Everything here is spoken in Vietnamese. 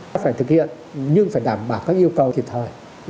phải thực hiện nhưng phải đảm bảo các yêu cầu thiệt thời